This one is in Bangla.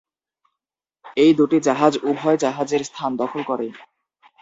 এই দুটি জাহাজ উভচর জাহাজের স্থান দখল করে।